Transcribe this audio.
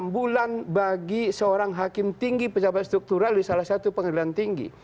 enam bulan bagi seorang hakim tinggi pejabat struktural di salah satu pengadilan tinggi